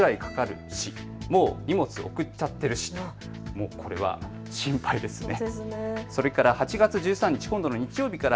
もうこれは心配ですね。